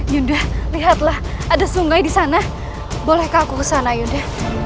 yudah lihatlah ada sungai di sana bolehkah aku ke sana yuda